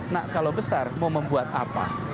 nak kalau besar mau membuat apa